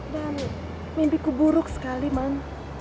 dan mimpiku buruk sekali man